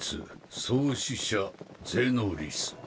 創始者ゼノリス。